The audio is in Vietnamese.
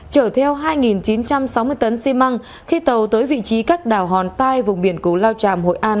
chở theo hai chín trăm sáu mươi tấn xi măng khi tàu tới vị trí các đảo hòn tai vùng biển củ lao tràm hội an